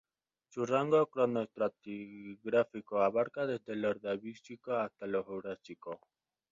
Su rango cronoestratigráfico abarca desde el Ordovícico hasta la Jurásico.